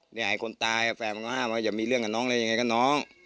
เนี่ยคนตายแฟนมันก็ห้ามว่าจะมีเรื่องกับน้องเลยยังไงก็น้อง